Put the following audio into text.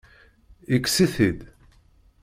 Yekkes-it-id?